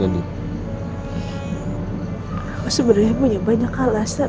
aku sebenarnya punya banyak alasan